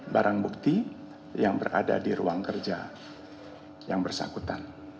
barang bukti yang berada di ruang kerja yang bersangkutan